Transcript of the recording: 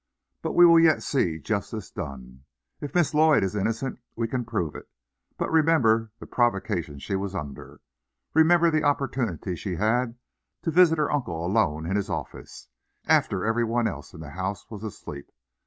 But we will yet see justice done. If Miss Lloyd is innocent, we can prove it. But remember the provocation she was under. Remember the opportunity she had, to visit her uncle alone in his office, after every one else in the house was asleep.